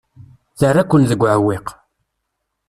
Terra-ken deg uɛewwiq.